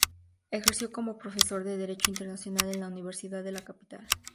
Ejerció como profesor de derecho internacional en la universidad de la capital.